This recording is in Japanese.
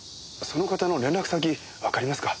その方の連絡先わかりますか？